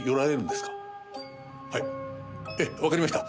はいええわかりました。